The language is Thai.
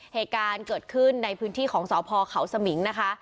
เหตุการณ์เกิดขึ้นในพื้นที่ของสพเขาสมิงนะคะ